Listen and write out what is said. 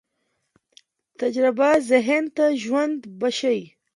تجربه ذهن ته ژوند بښي.